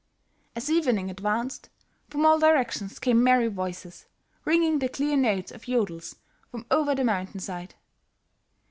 As evening advanced from all directions came merry voices, ringing the clear notes of yodels from over the mountainsides.